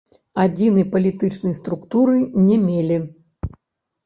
Адзінай палітычнай структуры не мелі.